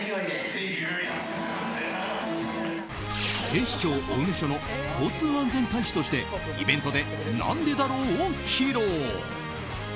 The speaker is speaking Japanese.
警視庁青梅署の交通安全大使としてイベントで「なんでだろう」を披露。